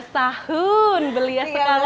tiga belas tahun belia sekali